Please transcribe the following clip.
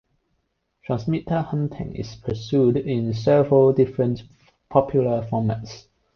Transmitter hunting is pursued in several different popular formats.